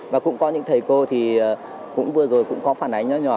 và cũng có những thầy cô vừa rồi cũng có phản ánh nhỏ nhỏ